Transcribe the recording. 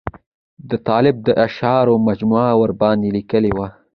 د طالب د اشعارو مجموعه ورباندې لیکلې وه.